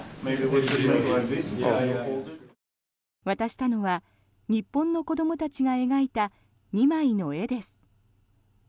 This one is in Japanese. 渡したのは日本の子どもたちが描いた２枚の絵です。